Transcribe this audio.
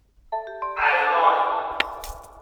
الوان